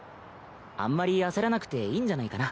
あんまり焦らなくていいんじゃないかな。